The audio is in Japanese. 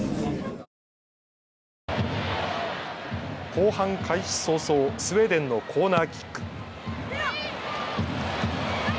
後半開始早々、スウェーデンのコーナーキック。